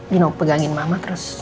you know pegangin mama terus